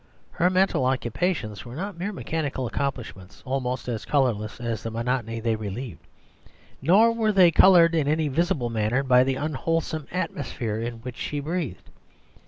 Her mental occupations were not mere mechanical accomplishments almost as colourless as the monotony they relieved, nor were they coloured in any visible manner by the unwholesome atmosphere in which she breathed.